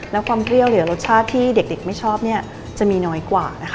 และความเตรียวเหลือรสชาติที่เด็กไม่ชอบจะมีน้อยกว่า